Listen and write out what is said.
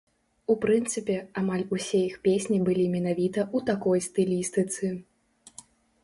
У прынцыпе, амаль усе іх песні былі менавіта ў такой стылістыцы.